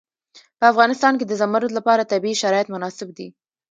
په افغانستان کې د زمرد لپاره طبیعي شرایط مناسب دي.